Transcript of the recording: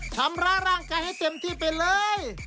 ทำร้ายร่างกายให้เต็มที่ไปเลย